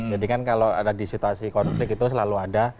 jadi kan kalau ada di situasi konflik itu selalu ada